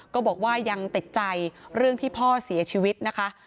ก็บอกว่ายังติดใจเรื่องที่พ่อเสียชีวิตนะคะ